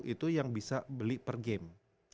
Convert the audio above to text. itu yang bisa beli per game